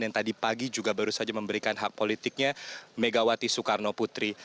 yang tadi pagi juga baru saja memberikan hak politiknya megawati soekarno putri